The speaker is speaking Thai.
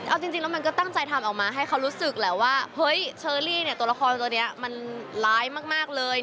เอาจริงแล้วมันก็ตั้งใจทำออกมาให้เขารู้สึกแหละว่าเฮ้ยเชอรี่เนี่ยตัวละครตัวนี้มันร้ายมากเลย